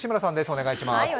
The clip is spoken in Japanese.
お願いします。